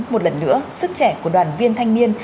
một lần nữa sức trẻ của đoàn viên thanh niên